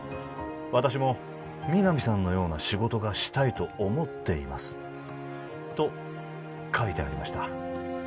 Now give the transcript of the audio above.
私も皆実さんのような仕事がしたいと思っていますと書いてありました